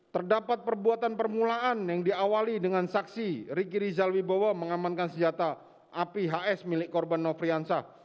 terdapat perbuatan permulaan yang diawali dengan saksi ricky rizal wibowo mengamankan senjata api hs milik korban nofriansah